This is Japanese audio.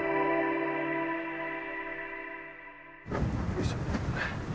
よいしょ。